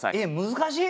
難しい！